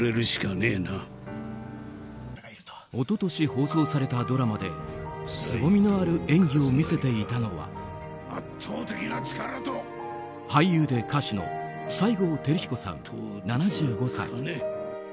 一昨年放送されたドラマですごみのある演技を見せていたのは俳優で歌手の西郷輝彦さん、７５歳。